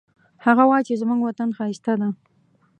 هغه وایي چې زموږ وطن ښایسته ده